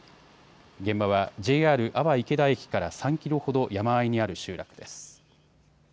現場はＪＲ阿波池田駅から３キロほど山あいにある集落です。